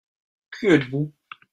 Qui êtes-vous ?